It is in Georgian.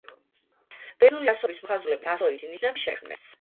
ბერძნული ასოების მოხაზულობის ასოითი ნიშნები შექმნეს.